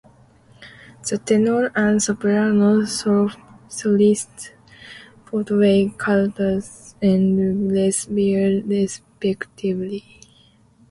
The tenor and soprano soloists portray Catullus and Lesbia respectively.